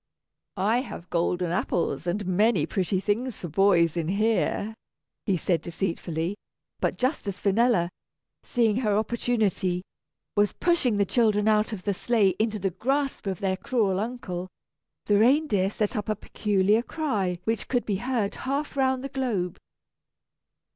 "I have golden apples and many pretty things for boys in here," he said deceitfully; but just as Finella, seeing her opportunity, was pushing the children out of the sleigh into the grasp of their cruel uncle, the reindeer set up a peculiar cry which could be heard half round the globe.